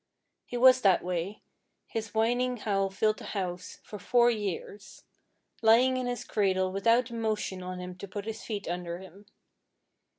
He was that way, his whining howl filling the house, for four years, lying in his cradle without a motion on him to put his feet under him.